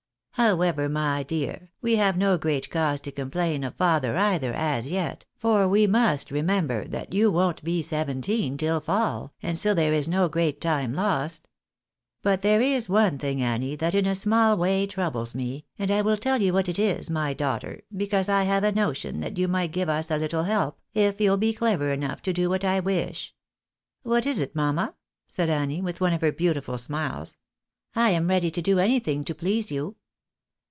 How ever, my dear, we have no great cause to complain of father either, as yet, for we must remember that you won't be seventeen till fall, and so there is no great time lost. But there is one thing, Annie, that in a small way troubles me, and I will tell you what it is, my daughter, because I have a notion that you might give us a little help, if you'll be clever enough to do what I wish." " What is it, mamma? " said Annie, with one of her beautiful smiles, " I am ready to do anything to please you."